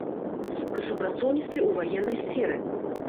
Пры супрацоўніцтве ў ваеннай сферы.